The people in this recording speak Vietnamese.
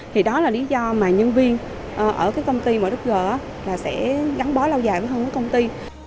thì đó là lý do mà nhân viên ở cái công ty mở đất gờ là sẽ gắn bó lao dài hơn cái công ty